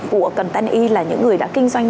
của contente là những người đã kinh doanh